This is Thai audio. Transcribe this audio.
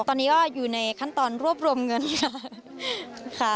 ตอนนี้ก็อยู่ในขั้นตอนรวบรวมเงินค่ะ